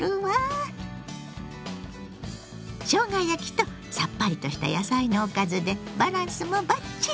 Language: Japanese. しょうが焼きとさっぱりとした野菜のおかずでバランスもバッチリ！